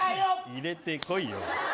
入れてこいよ。